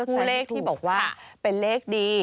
เลขที่บอกว่าเป็นเลขดี